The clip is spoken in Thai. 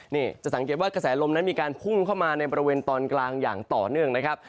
นี่จะสังเกตว่ากระแสลมนั้นมีการพุ่งเข้ามาในบริเวณตอนกลางอย่างต่อเนื่องนะครับ